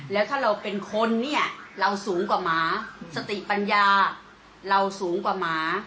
แล้วถ้าเราเป็นคนเนี่ยเราสูงกว่าหมาสติปัญญาเราสูงกว่าหมา